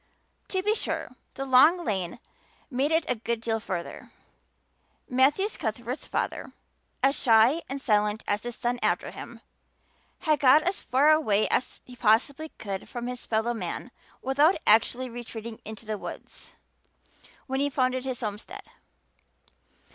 To be sure, the long lane made it a good deal further. Matthew Cuthbert's father, as shy and silent as his son after him, had got as far away as he possibly could from his fellow men without actually retreating into the woods when he founded his homestead.